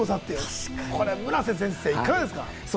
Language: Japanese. これ村瀬先生、いかがですか？